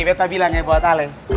betta bilang ya buat kalian